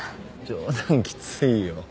冗談きついよ。